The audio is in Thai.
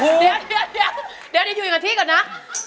เพลงนี้อยู่ในอาราบัมชุดแรกของคุณแจ็คเลยนะครับ